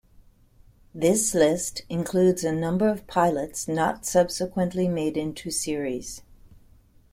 This list includes a number of pilots not subsequently made into series.